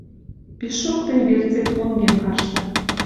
Пишок тӹнь верцет онгем каршта.